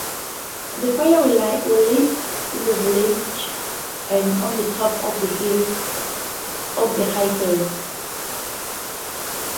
The fires were lit in the villages and on the tops of high hills.